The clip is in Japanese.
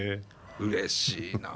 うれしいな。